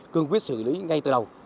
cương quyết xử lý ngay từ đầu